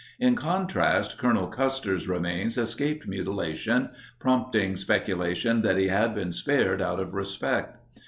In con trast, Colonel Custer's re mains escaped mutilation, prompting speculation that he had been spared out of respect.